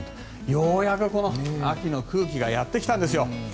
ようやくこの秋の空気がやってきたんですよ。